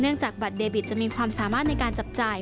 จากบัตรเดบิตจะมีความสามารถในการจับจ่าย